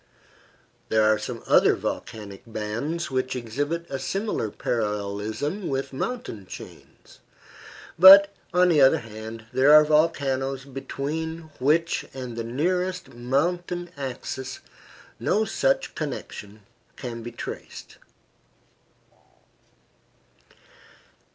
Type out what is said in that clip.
There are some other volcanic bands which exhibit a similar parallelism with mountain chains; but, on the other hand, there are volcanoes between which and the nearest mountain axis no such connection can be traced.